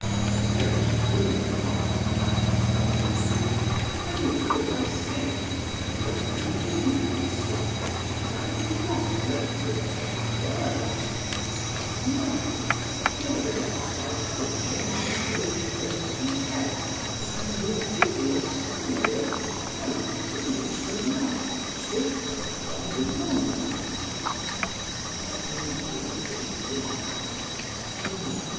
SOCRATES: A very true remark, that of yours. PHAEDRUS: I will do as I say; but believe me, Socrates, I did not learn the very words O no; nevertheless I have a general notion of what he said, and will give you a summary of the points in which the lover differed from the non lover. Let me begin at the beginning.